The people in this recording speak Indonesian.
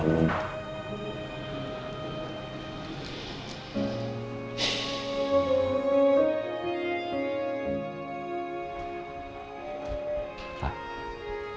saya sangat berharap